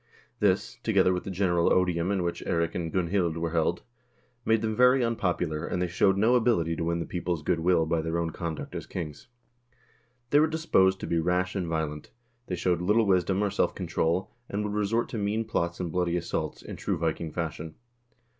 This, together with the general odium in which Eirik and Gunhild were held, made them very unpopular, and they showed no ability to win the people's good will by their own conduct as ki, ngs. They were disposed to be rash and violent ; they showed little wisdom, or self control, and would resort to mean plots and bloody assaults, in true Viking fashion.